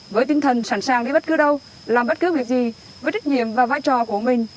với tinh thần sẵn sàng đi bất cứ đâu làm bất cứ việc gì với trách nhiệm và vai trò của mình